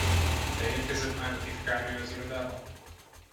Beérkezett már a titkárnő az irodába?